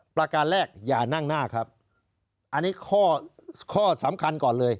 ประการแรกอย่านั่งหน้าครับอันนี้ข้อข้อสำคัญก่อนเลย